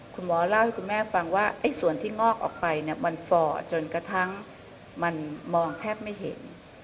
คุณหมอเล่าให้คุณแม่ฟังว่าส่วนที่งอกออกไปเนี่ยมันฝ่อจนกระทั่งมันมองแทบไม่เห็น